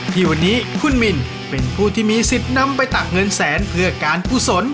ที่วันนี้คุณมินเป็นผู้ที่มีสิทธิ์นำไปตักเงินแสนเพื่อการกุศล